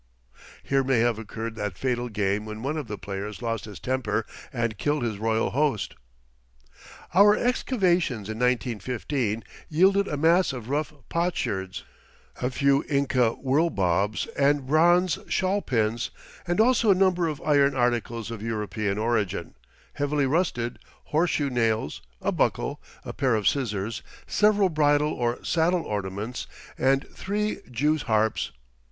Here may have occurred that fatal game when one of the players lost his temper and killed his royal host. Our excavations in 1915 yielded a mass of rough potsherds, a few Inca whirl bobs and bronze shawl pins, and also a number of iron articles of European origin, heavily rusted horseshoe nails, a buckle, a pair of scissors, several bridle or saddle ornaments, and three Jew's harps.